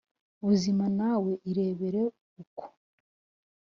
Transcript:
buzima Nawe irebere uko